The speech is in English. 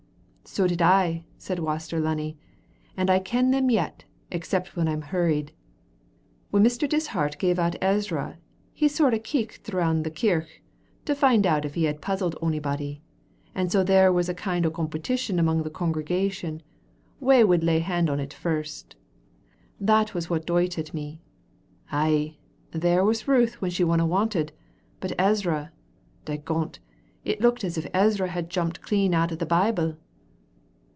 "So did I," said Waster Lunny, "and I ken them yet, except when I'm hurried. When Mr. Dishart gave out Ezra he a sort o' keeked round the kirk to find out if he had puzzled onybody, and so there was a kind o' a competition among the congregation wha would lay hand on it first. That was what doited me. Ay, there was Ruth when she wasna wanted, but Ezra, dagont, it looked as if Ezra had jumped clean out o' the Bible."